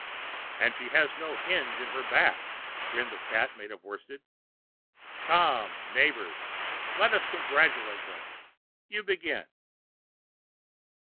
"[Pg 752] "And she has no hinge in her back," grinned the Cat made of worsted. "Come, neighbors, let us congratulate them. You begin."